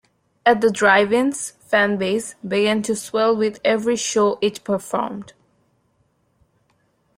At the Drive-In's fan base began to swell with every show it performed.